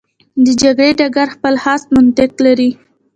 د جګړې ډګر خپل خاص منطق لري.